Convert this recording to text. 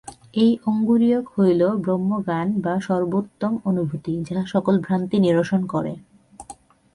এই অঙ্গুরীয়ক হইল ব্রহ্মজ্ঞান বা সর্বোত্তম অনুভূতি, যাহা সকল ভ্রান্তি নিরসন করে।